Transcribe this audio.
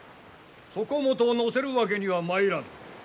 そこもとを乗せるわけにはまいらぬ。